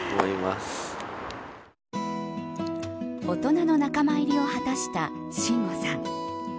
大人の仲間入りを果たした真吾さん。